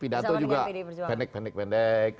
pidato juga pendek pendek